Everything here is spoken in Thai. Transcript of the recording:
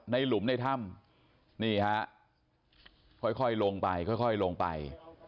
หลุมในถ้ำนี่ฮะค่อยลงไปค่อยลงไป